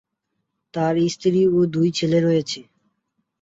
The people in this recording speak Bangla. তার স্ত্রী ও দুই ছেলে রয়েছে।